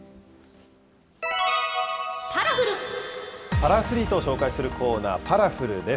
パラアスリートを紹介するコーナー、パラフルです。